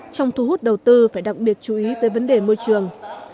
trong thu hút đầu tư phải đặc biệt chú ý tới vấn đề môi trường